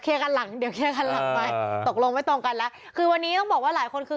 เคลียร์กันหลังเออตกลงไว้ตรงกันแล้วคือวันนี้ต้องบอกว่าหลายคนคือ